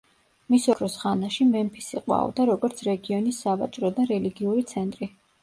მის ოქროს ხანაში, მემფისი ყვაოდა როგორც რეგიონის სავაჭრო და რელიგიური ცენტრი.